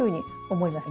思います